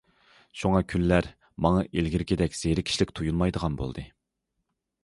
شۇڭا كۈنلەر ماڭا ئىلگىرىكىدەك زېرىكىشلىك تۇيۇلمايدىغان بولدى.